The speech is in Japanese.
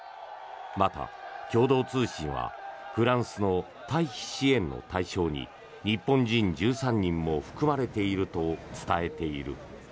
また、共同通信はフランスの退避支援の対象に日本人１３人も含まれていると伝えている。